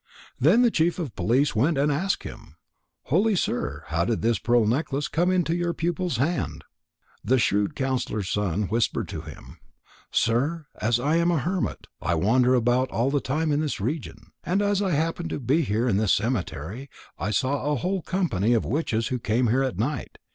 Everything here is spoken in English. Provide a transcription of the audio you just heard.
Then the chief of police went and asked him: "Holy sir, how did this pearl necklace come into your pupil's hand?" And the shrewd counsellor's son whispered to him: "Sir, as I am a hermit, I wander about all the time in this region. And as I happened to be here in this cemetery, I saw a whole company of witches who came here at night.